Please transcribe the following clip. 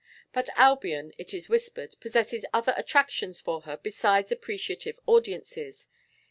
But Albion, it is whispered, possesses other attractions for her besides appreciative audiences.